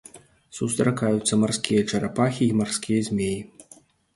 Сустракаюцца марскія чарапахі і марскія змеі.